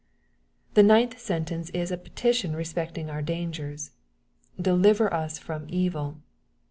The ninth sentence is a petition respecting our dan* gers :*^ deliver us from evil."